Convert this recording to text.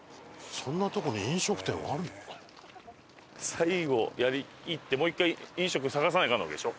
最後やりきってもう１回飲食探さないかんわけでしょ？